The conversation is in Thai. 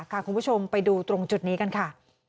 คุณผู้ชมไปดูตรงจุดนี้กันค่ะ